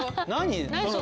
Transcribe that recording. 何？